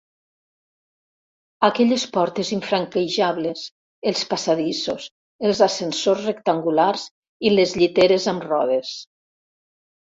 Aquelles portes infranquejables, els passadissos, els ascensors rectangulars i les lliteres amb rodes.